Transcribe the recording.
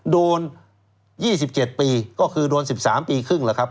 โดน๒๗ปีก็คือโดน๑๓ปีครึ่งแล้วครับ